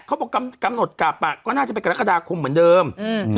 ออกไหมหยุดอ่านหรือเงี้ย